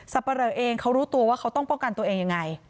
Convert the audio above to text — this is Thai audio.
ปะเลอเองเขารู้ตัวว่าเขาต้องป้องกันตัวเองยังไง